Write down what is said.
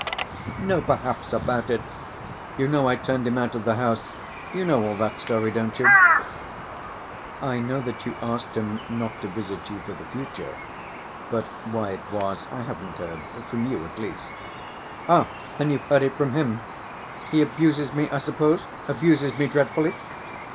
No 'perhaps' about it. You know I turned him out of the house.... You know all that story, don't you?" "I know that you asked him not to visit you for the future, but why it was, I haven't heard ... from you, at least." "Ah, then you've heard it from him! He abuses me, I suppose, abuses me dreadfully?"